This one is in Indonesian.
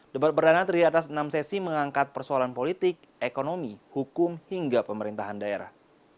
debat perdana terdiri atas enam sesi mengangkat persoalan politik ekonomi hukum hingga pemerintahan daerah